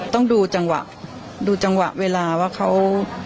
ต้องดูจังหวะเวลาว่าเขา